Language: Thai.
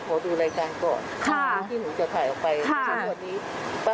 โหได้ค่ะคุณไม่เป็นไรเลยค่ะ